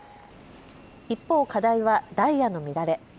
一方、課題はダイヤの乱れ。